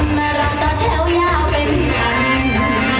คนร้านต่อแถวยาวเป็นกัน